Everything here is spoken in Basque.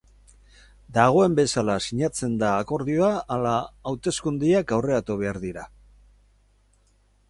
Dagoen bezala sinatzen da akordioa ala hauteskundeak aurreratu behar dira.